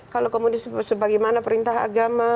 kalau kemudian sebagaimana perintah agama